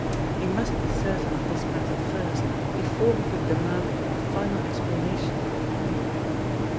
He must be certain of this matter first, before he could demand a final explanation of Hendrik.